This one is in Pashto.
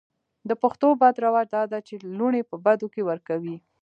د پښتو بد رواج دا ده چې لوڼې په بدو کې ور کوي.